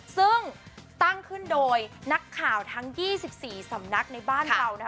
ซึ่งตั้งขึ้นโดยนักข่าวทั้ง๒๔สำนักในบ้านเรา